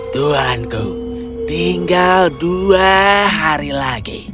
tuanku tinggal dua hari lagi